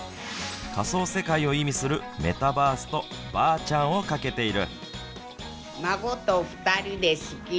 仮想世界を意味するメタバースとばあちゃんをかけている。